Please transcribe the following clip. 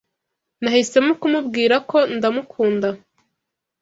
Nahisemo kumubwira ko ndamukunda.